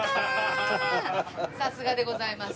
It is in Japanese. さすがでございます。